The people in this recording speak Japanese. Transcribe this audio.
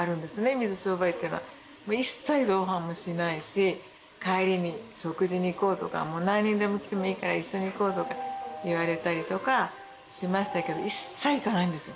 水商売ってのはもう一切同伴もしないし帰りに食事に行こうとかもう何人でも来てもいいから一緒に行こうとか言われたりとかしましたけど一切行かないんですよ・